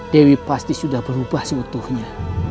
dewi pasti sudah berubah seutuhnya